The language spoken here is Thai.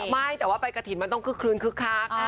ไม่แต่ว่าไปกระถิ่นมันต้องคึกคลื้นคึกคัก